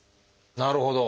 なるほど。